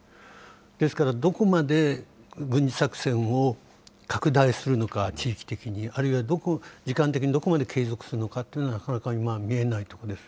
ですからどこまで軍事作戦を拡大するのか地域的に、あるいは時間的にどこまで継続するのかというのは、なかなか見えないところです。